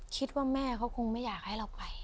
คิดว่าแม่เขาคงไม่อยากให้เราไป